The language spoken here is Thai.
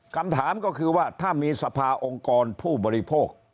คำถามก็คือว่าถ้ามีสภาองค์กรผู้บริโภค